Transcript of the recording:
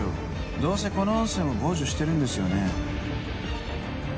どうせこの音声も傍受してるんですよね？